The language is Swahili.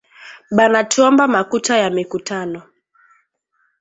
Banatuomba makuta ya mikutano